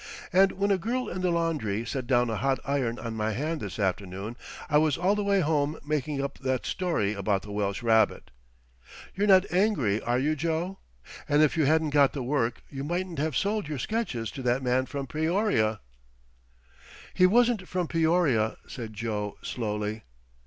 And when a girl in the laundry set down a hot iron on my hand this afternoon I was all the way home making up that story about the Welsh rabbit. You're not angry, are you, Joe? And if I hadn't got the work you mightn't have sold your sketches to that man from Peoria." "He wasn't from Peoria," said Joe, slowly.